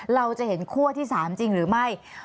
เราจะเห็นคั่วที่๓จริงหรือไม่